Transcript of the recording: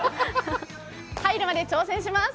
入るまで挑戦します！